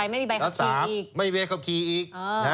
๓ไม่มีเบยร์คับขี่อีก